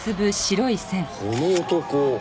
この男。